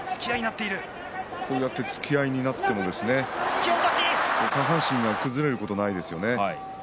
突き合いになってもね下半身が崩れることがないですね。